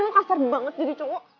ini kasar banget jadi cowok